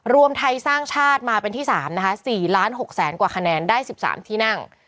รวมไทยสร้างชาติมาเป็นที่๓นะคะ๔๖๐๐๐กว่าคะแนนได้๑๓ที่นั่ง